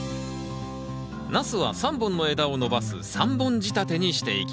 ナスは３本の枝を伸ばす３本仕立てにしていきます。